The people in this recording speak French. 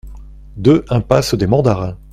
deux impasse des mandarins